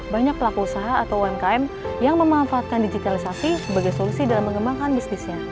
banyak pelaku usaha atau umkm yang memanfaatkan digitalisasi sebagai solusi dalam mengembangkan bisnisnya